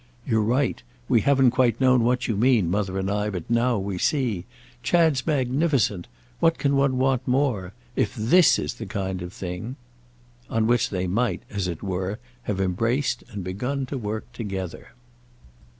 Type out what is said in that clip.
"You're right; we haven't quite known what you mean, Mother and I, but now we see. Chad's magnificent; what can one want more? If this is the kind of thing—!" On which they might, as it were, have embraced and begun to work together.